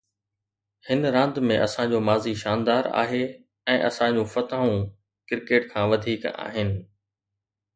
هن راند ۾ اسان جو ماضي شاندار آهي ۽ اسان جون فتحون ڪرڪيٽ کان وڌيڪ آهن.